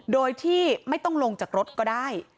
โดยที่ไม่ต้องลงจากรถก็ได้